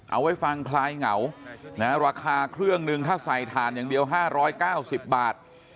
เอาไว้ฟังคลายเหงาราคาเครื่องหนึ่งถ้าใส่ถ่านอย่างเดียว๕๙๐บาท